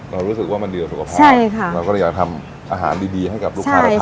เรารู้สึกว่ามันดีจากสุขภาพใช่ค่ะเราก็อยากทำอาหารดีดีให้กับลูกค้าแล้วพาด